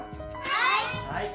はい。